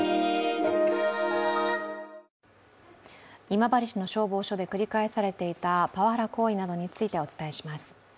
今治市の消防署で繰り返されていたパワハラ行為などについてお伝えします。